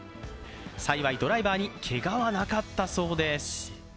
幸いドライバーにけがはなかったそうです。